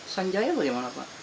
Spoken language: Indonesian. sanjaya bagaimana pak